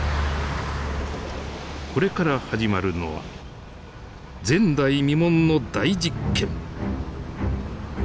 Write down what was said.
これから始まるのは前代未聞の大実験。